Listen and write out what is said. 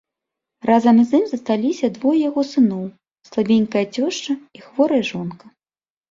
Разам з ім засталіся двое яго сыноў, слабенькая цешча і хворая жонка.